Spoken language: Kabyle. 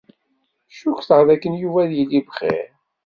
Cukkteɣ dakken Yuba ad yili bxir.